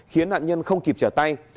khiến nạn nhân không kịp trả tay